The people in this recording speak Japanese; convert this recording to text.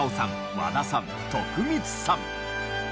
和田さん徳光さん。